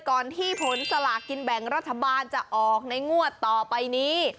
ก่อนที่ผลสลากกินแบ่งรัฐบาลจะออกในงวดต่อไปนี้